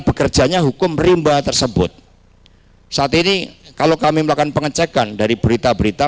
bekerjanya hukum rimba tersebut saat ini kalau kami melakukan pengecekan dari berita berita